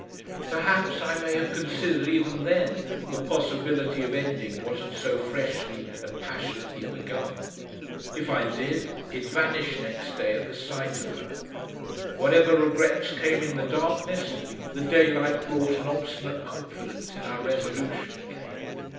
Perhaps I may have considered even then the possibility of ending what had so freshly and passionately begun. If I did, it vanished next day at the sight of her. Whatever regrets came in the darkness, the daylight brought an obstinate confidence in our resolution again.